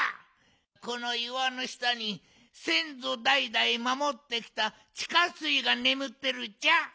このいわのしたにせんぞだいだいまもってきたちかすいがねむってるっちゃ。